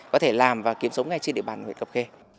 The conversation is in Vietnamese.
có thể làm và kiếm sống ngay trên địa bàn nguyễn cập kê